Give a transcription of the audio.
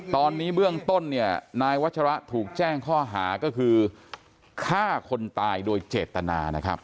ตอนนี้เบื้องต้นเนี่ยนายวัชระถูกแจ้งข้อหาก็คือฆ่าคนตายโดยเจตนานะครับ